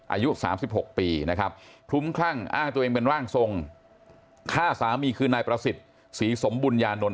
อายุ๓๖ปีนะครับคลุ้มคลั่งอ้างตัวเองเป็นร่างทรงฆ่าสามีคือนายประสิทธิ์ศรีสมบุญญานนท